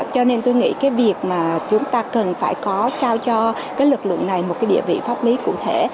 cho nên tôi nghĩ cái việc mà chúng ta cần phải có trao cho cái lực lượng này một cái địa vị pháp lý cụ thể